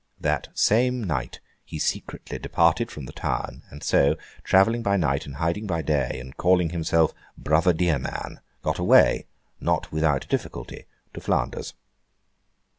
That same night he secretly departed from the town; and so, travelling by night and hiding by day, and calling himself 'Brother Dearman,' got away, not without difficulty, to Flanders.